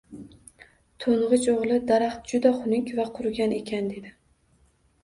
To`ng`ich o`g`il Daraxt juda hunuk va qurigan ekan, dedi